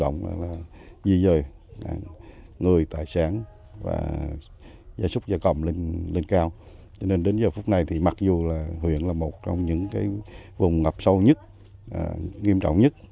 nên đến giờ phút này mặc dù huyện là một trong những vùng ngập sâu nhất nghiêm trọng nhất